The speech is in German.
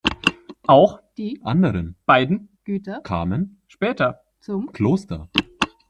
Auch die anderen beiden Güter kamen später zum Kloster.